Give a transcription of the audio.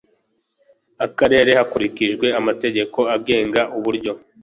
akarere hakurikijwe amategeko agenga uburyo